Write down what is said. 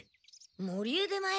森へ出前？